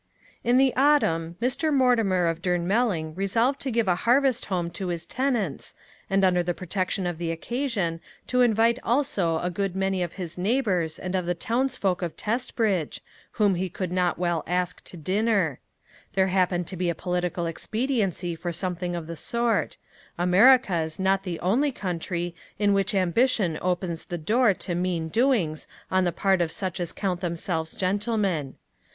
In the autumn, Mr. Mortimer of Durnmelling resolved to give a harvest home to his tenants, and under the protection of the occasion to invite also a good many of his neighbors and of the townsfolk of Testbridge, whom he could not well ask to dinner: there happened to be a political expediency for something of the sort: America is not the only country in which ambition opens the door to mean doings on the part of such as count themselves gentlemen.